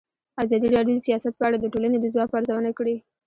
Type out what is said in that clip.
ازادي راډیو د سیاست په اړه د ټولنې د ځواب ارزونه کړې.